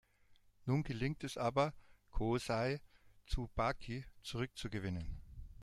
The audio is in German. Nun gelingt es aber Kōsei Tsubaki zurückzugewinnen.